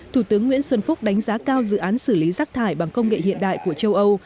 thủ tướng nguyễn xuân phúc đánh giá cao dự án xử lý rác thải bằng công nghệ hiện đại của châu âu